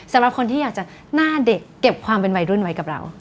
สำหรับคนที่อยากจะหน้าเด็กเก็บความเป็นวัยรุ่นไว้กับเรา